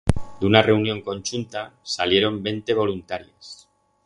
D'una reunión conchunta salieron vente voluntarias.